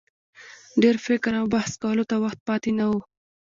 ډېر فکر او بحث کولو ته وخت پاته نه وو.